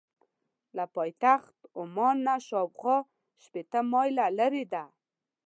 له پایتخت عمان نه شاخوا شپېته مایله لرې ده.